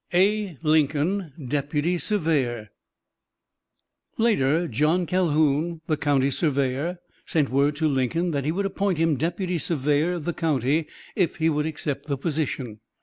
"A. LINCOLN, DEPUTY SURVEYOR" Later John Calhoun, the county surveyor, sent word to Lincoln that he would appoint him deputy surveyor of the county if he would accept the position.